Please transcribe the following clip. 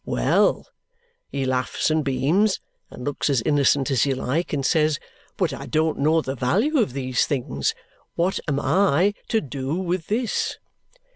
Well! He laughs and beams, and looks as innocent as you like, and says, 'But I don't know the value of these things. What am I to DO with this?'